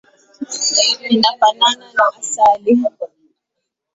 Inafanana na asali.